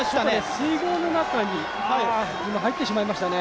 水濠の中に入ってしまいましたね。